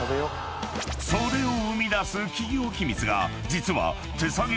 ［それを生み出す企業秘密が実は］